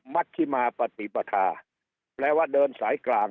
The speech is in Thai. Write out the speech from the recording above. มัธิมาปฏิปทาแปลว่าเดินสายกลาง